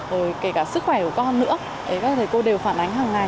rồi kể cả sức khỏe của con nữa đấy các thầy cô đều phản ánh hàng ngày